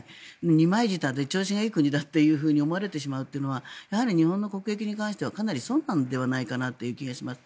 二枚舌で調子のいい国だと思われてしまうというのは日本の国益に関してかなり損なのではないかという気がします。